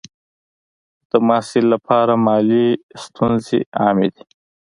د محصل لپاره مالي ستونزې عامې دي.